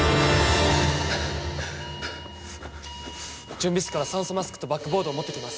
準備室から酸素マスクとバックボードを持ってきます